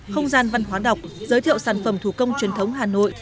không gian văn hóa đọc giới thiệu sản phẩm thủ công truyền thống hà nội